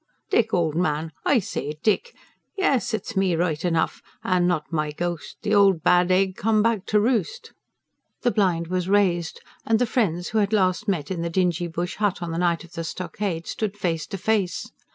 "Dick, old man.... I say, Dick! Yes, it's me right enough, and not my ghost. The old bad egg come back to roost!" The blind was raised; and the friends, who had last met in the dingy bush hut on the night of the Stockade, stood face to face.